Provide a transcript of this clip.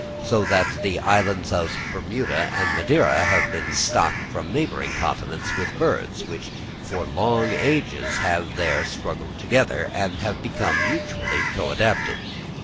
So that the islands of Bermuda and Madeira have been stocked from the neighbouring continents with birds, which for long ages have there struggled together, and have become mutually co adapted.